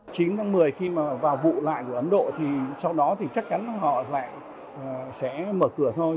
chín tháng một mươi khi mà vào vụ lại của ấn độ thì sau đó chắc chắn họ sẽ mở cửa thôi